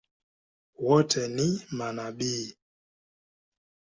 Wote ni manabii?